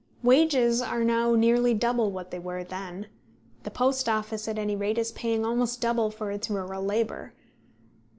Wages are now nearly double what they were then. The Post Office at any rate is paying almost double for its rural labour, 9s.